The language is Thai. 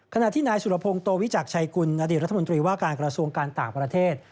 ขณะที่นายสุรพงศ์โตวิจักรชัยกุลอดีตรัฐมนตรีว่าการกระทรวงการต่างประเทศ